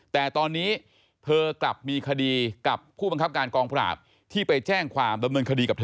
แต่ตอนนี้เธอกลับมีคดีกับผู้บังคับการกองปราบที่ไปแจ้งความดำเนินคดีกับเธอ